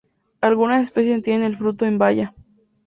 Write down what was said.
Algunas especies tienen el fruto en baya.